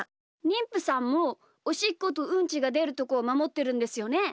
にんぷさんもおしっことうんちがでるとこをまもってるんですよね？